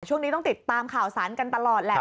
ช่วงนี้ต้องติดตามข่าวสารกันตลอดแหละ